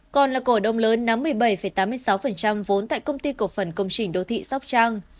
còn là cổ đông lớn nắm một mươi bảy tám mươi sáu vốn tại công ty cổ phần công trình đô thị sóc trang